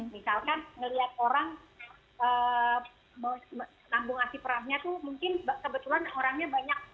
misalkan ngeliat orang nabung aksi perahnya tuh mungkin kebetulan orangnya banyak